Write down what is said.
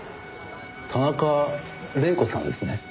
田中玲子さんですね。